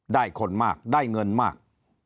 คนมากได้เงินมาก